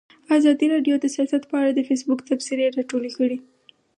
ازادي راډیو د سیاست په اړه د فیسبوک تبصرې راټولې کړي.